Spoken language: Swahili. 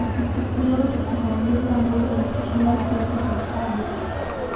klose akaongeza nguvu na kushinda kiatu cha dhahabu